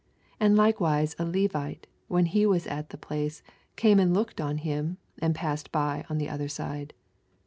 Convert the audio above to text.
82 And likewise a Levite. when he was at the place, came and looked on 2m», and passed by on the other side.